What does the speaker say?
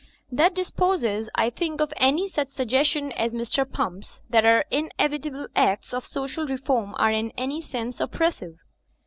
That disposes, I think, of any such suggestion as Mr. Pump's, that our inevitable acts of social reform are in any sense oppressive.